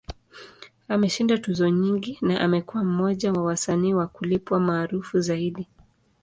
Ameshinda tuzo nyingi, na amekuwa mmoja wa wasanii wa kulipwa maarufu zaidi.